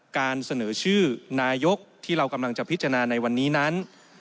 การเสนอชื่อนายกที่เรากำลังจะพิจารณาในวันนี้นั้น